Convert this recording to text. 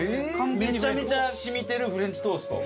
めちゃめちゃ染みてるフレンチトースト。